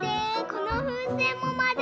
このふうせんもまる！